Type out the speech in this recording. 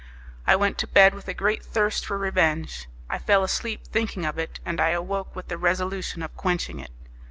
I went to bed with a great thirst for revenge, I fell asleep thinking of it, and I awoke with the resolution of quenching it.